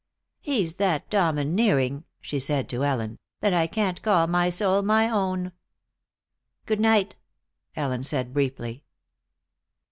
"He's that domineering," she said to Ellen, "that I can't call my soul my own." "Good night," Ellen said briefly.